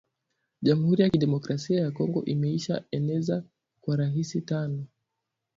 Jamhuri ya ki democrasia ya kongo imesha eneza wa rahisi tano